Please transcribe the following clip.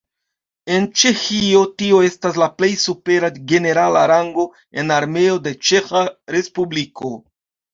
En Ĉeĥio tio estas la plej supera generala rango en Armeo de Ĉeĥa respubliko.